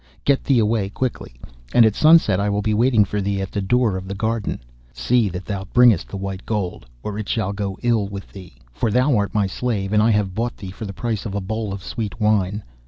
Get thee away quickly, and at sunset I will be waiting for thee at the door of the garden. See that thou bringest the white gold, or it shall go ill with thee, for thou art my slave, and I have bought thee for the price of a bowl of sweet wine.